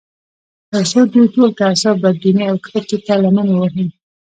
تر څو دوی ټول تعصب، بدبینۍ او کرکې ته لمن ووهي